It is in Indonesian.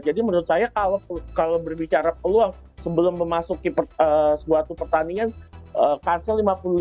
jadi menurut saya kalau berbicara peluang sebelum memasuki sebuah pertandingan cancel lima puluh lima puluh